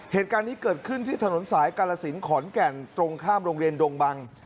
เหตุการณ์นี้เกิดขึ้นที่ถนนสายกาลสินขอนแก่นตรงข้ามโรงเรียนดงบัง